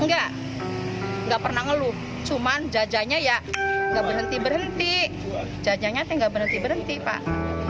enggak enggak pernah ngeluh cuman jajanya ya nggak berhenti berhenti jajanya nggak berhenti berhenti pak